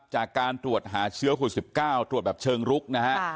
จากการตรวจหาเชื้อคุณสิบเก้าตรวจแบบเชิงลุกนะฮะ